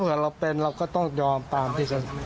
เราเป็นเราก็ต้องยอมตามที่เขา